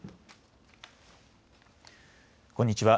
こんにちは。